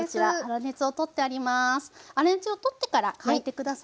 粗熱を取ってから変えて下さい。